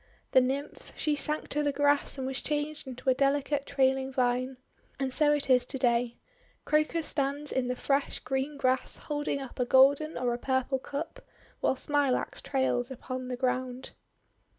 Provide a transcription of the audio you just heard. The Nymph, she sank to the grass and was changed into a delicate trailing vine. And so it is to day. Crocus stands in the fresh, green grass holding up a golden or a purple cup, while Smilax trails upon the ground.